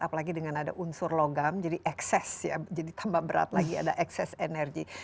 apalagi dengan ada unsur logam jadi tambah berat lagi ada ekses energi